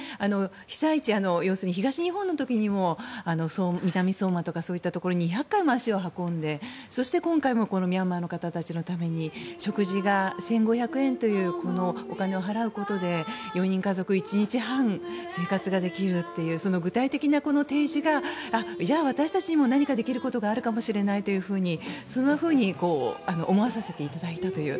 被災地、要するに東日本の時にも南相馬とかそういったところに２００回も足を運んでそして、今回もミャンマーの方たちのために食事が１５００円というこのお金を払うことで４人家族、１日半生活ができるという具体的な提示がじゃあ、私たちにも何かできることがあるかもしれないとそんなふうに思わさせていただいたという。